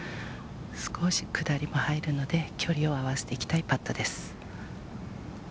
少し下りも入るので、距離を合わせていきたいパットです。